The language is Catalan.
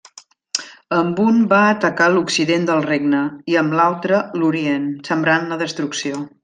Amb un va atacar l'occident del regne i amb l'altre l'orient, sembrant la destrucció.